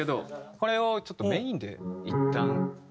これをちょっとメインでいったん。